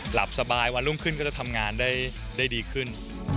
หลับสบายวันรุ่งขึ้นก็จะทำงานได้ดีขึ้น